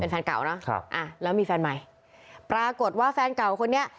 แฟนเก่านะครับอ่ะแล้วมีแฟนใหม่ปรากฏว่าแฟนเก่าคนนี้